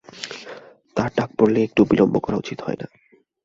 তার ডাক পড়লেই একটুও বিলম্ব করা উচিত হয় না।